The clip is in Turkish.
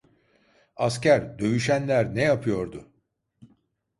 Asker, dövüşenler ne yapıyordu?